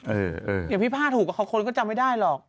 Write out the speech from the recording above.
เออเออเดี๋ยวพี่พ่าถูกเขาคนก็จำไม่ได้หรอก